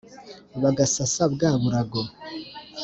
Bagasasa bwa burago,